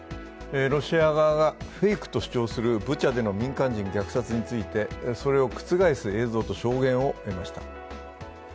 ロシア側がフェイクと主張するブチャでの民間人虐殺についてそれを覆す映像と証言を得ました。